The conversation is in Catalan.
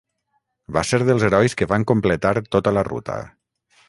Va ser dels herois que van completar tota la ruta.